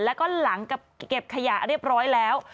แล้วก็หลังกับเก็บขยะเรียบร้อยแล้ว